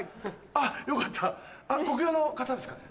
よかったコクヨの方ですかね？